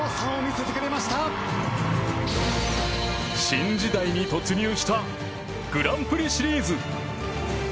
新時代に突入したグランプリシリーズ。